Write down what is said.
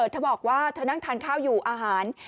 เธอบอกว่าเธอนั่งทานข้าวอยู่อาหาร